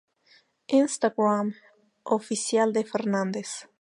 Instagram oficial de Fernández